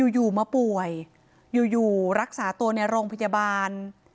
อยู่มาป่วยอยู่รักษาตัวในโรงพยาบาล